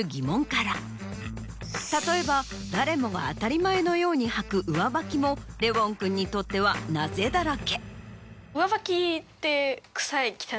例えば誰もが当たり前のように履く上履きもレウォン君にとっては「なぜ？」だらけ。